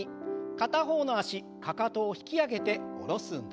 片方の脚かかとを引き上げて下ろす運動。